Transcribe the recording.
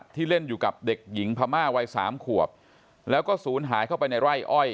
เล่นอยู่กับเด็กหญิงพม่าวัยสามขวบแล้วก็ศูนย์หายเข้าไปในไร่อ้อย